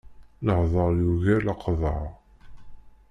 Leḥder yugar leqḍaɛ.